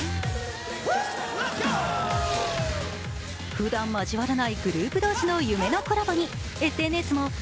ふだん交わらないグループ同士の夢のコラボにＳＮＳも大興奮。